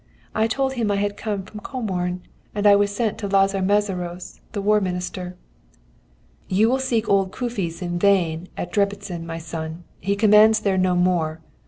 I told him I had come from Comorn, and I was sent to Lazar Mészáros, the War Minister. "'You will seek old Kóficz in vain at Debreczin, my son, he commands there no more.